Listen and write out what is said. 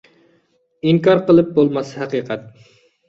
ئىنكار قىلىپ بولماس ھەقىقەت!